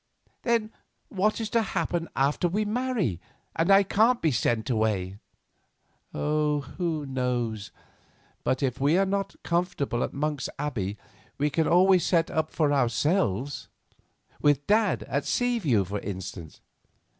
"Then what is to happen after we marry, and I can't be sent away?" "Who knows? But if we are not comfortable at Monk's Abbey, we can always set up for ourselves—with Dad at Seaview, for instance.